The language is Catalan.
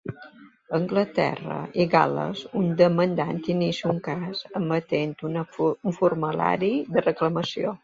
A Anglaterra i Gal·les, un demandant inicia un cas emetent un formulari de reclamació.